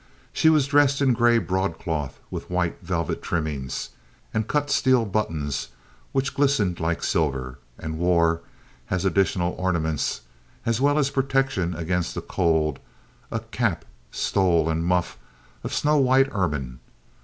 She was dressed in gray broadcloth with white velvet trimmings and cut steel buttons which glistened like silver, and wore, as additional ornaments, as well as a protection against the cold, a cap, stole, and muff of snow white ermine.